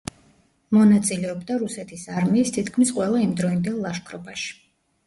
მონაწილეობდა რუსეთის არმიის თითქმის ყველა იმდროინდელ ლაშქრობაში.